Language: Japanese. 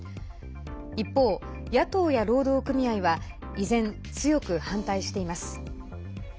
一方、野党や労働組合は依然、強く反対しています。